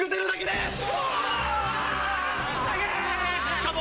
しかも。